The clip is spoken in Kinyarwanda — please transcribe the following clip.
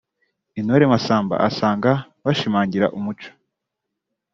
Intore Massamba asanga bishimangira umuco